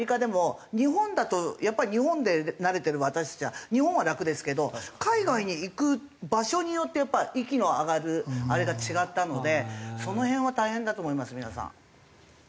日本だとやっぱり日本で慣れてる私たちは日本は楽ですけど海外に行く場所によってやっぱ息の上がるあれが違ったのでその辺は大変だと思います皆さん。